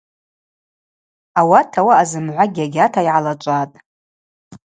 Ауат ауаъа зымгӏва гьагьата йгӏалачӏватӏ.